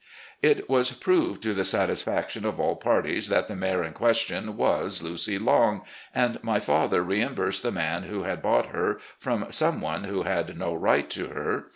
It was proved to the satisfaction of all parties that the mare in question was "Lucy Long," and my father reimbursed the man who had bought her from some one who had no right to her.